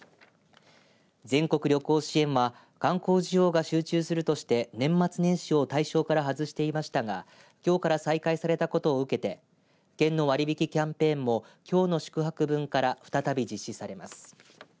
全国旅行支援は観光需要が集中するとして年末年始を対象から外していましたがきょうから再開されたことを受けて県の割引キャンペーンもきょうの宿泊分から再び実施されます。